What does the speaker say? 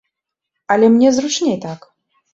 Але мне зручней так!